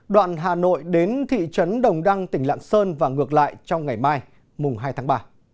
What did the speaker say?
đoạn hà nội đến thị trấn đồng đăng tỉnh lạng sơn và ngược lại trong ngày mai mùng hai tháng ba